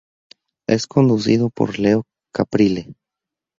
Es conducido por Leo Caprile.